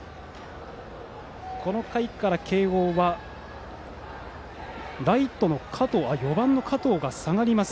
この回から、慶応はライト、４番の加藤が下がります。